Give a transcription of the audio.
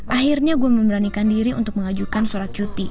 akhirnya gue memberanikan diri untuk mengajukan surat cuti